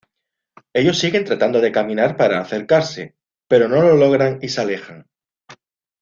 Ellos siguen tratando de caminar para acercarse, pero no lo logran y se alejan.